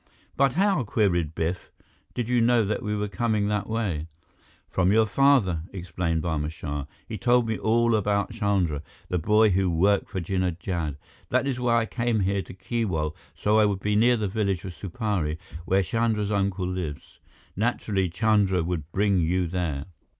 "But how," queried Biff, "did you know that we were coming that way?" "From your father," explained Barma Shah. "He told me all about Chandra, the boy who worked for Jinnah Jad. That is why I came here to Keewal, so I would be near the village of Supari, where Chandra's uncle lives. Naturally, Chandra would bring you there."